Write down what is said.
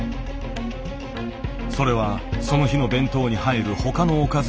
それはその日の弁当に入る他のおかずとの相性。